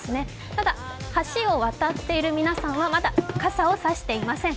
ただ、橋を渡っている皆さんはまだ傘を差していません。